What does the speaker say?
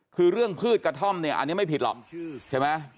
คือเรื่องพืชกระท่อมเนี่ยอันนี้ไม่ผิดหรอกใช่ไหม